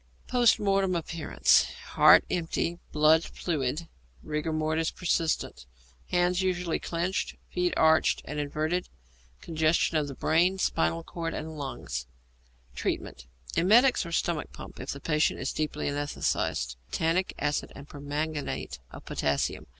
Post Mortem Appearances. Heart empty, blood fluid, rigor mortis persistent. Hands usually clenched; feet arched and inverted. Congestion of brain, spinal cord, and lungs. Treatment. Emetics or stomach pump if the patient is deeply anæsthetized. Tannic acid and permanganate of potassium.